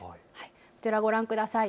こちらご覧ください。